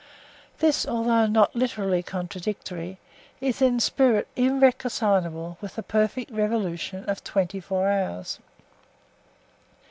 This, although not literally contradictory, is in spirit irreconcilable with the perfect revolution of twenty four hours.